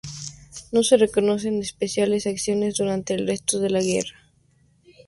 No se reconocen especiales acciones durante el resto de la guerra.